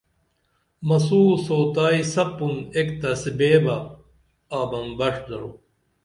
مسوں سوتائی سپُن ایک تسبے بہ آبن بݜ درو